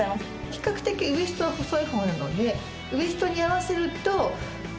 比較的ウエストは細い方なのでウエストに合わせるとここが。